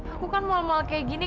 aku kan mau begini